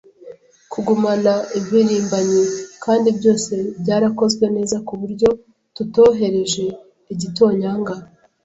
kugumana impirimbanyi, kandi byose byarakozwe neza kuburyo tutohereje igitonyanga.